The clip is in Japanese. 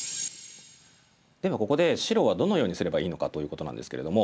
ではここで白はどのようにすればいいのかということなんですけれども。